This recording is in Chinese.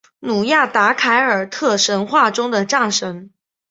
努亚达凯尔特神话中的战神。